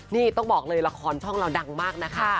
นี่ต้องบอกเลยละครช่องเราดังมากนะคะ